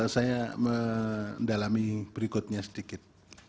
saya mendalami berikutnya sedikit